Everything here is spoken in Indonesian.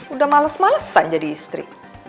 udah males malesan jadi istri